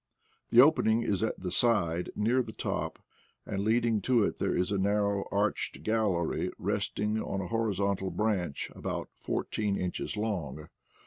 The opening is at the side near the top, and leading to it there is a narrow arched gallery resting on a horizontal branch, and about fourteen inches long.